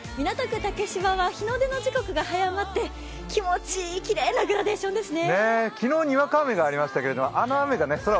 竹芝は日の出の時刻が早まって気持ちいいきれいなグラデーションですね。